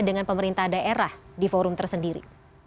dengan pemerintah daerah di forum tersendiri